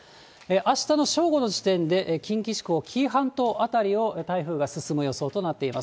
あしたの正午の時点で近畿地方、紀伊半島辺りを台風が進む予想となっています。